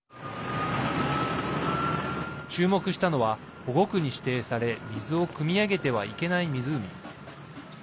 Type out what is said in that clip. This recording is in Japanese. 注目したのは保護区に指定され水をくみ上げてはいけない湖。